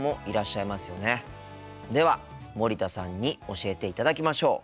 では森田さんに教えていただきましょう。